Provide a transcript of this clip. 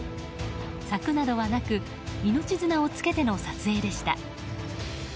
柵などはなく命綱をつけての撮影でした。